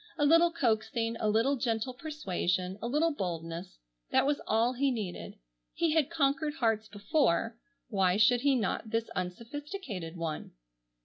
A little coaxing, a little gentle persuasion, a little boldness—that was all he needed. He had conquered hearts before, why should he not this unsophisticated one?